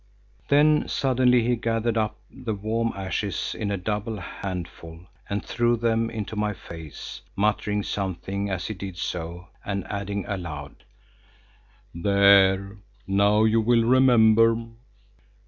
Then suddenly he gathered up the warm ashes in a double handful and threw them into my face, muttering something as he did so and adding aloud, "There, now you will remember."